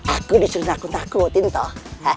aku disuruh takut takutin toh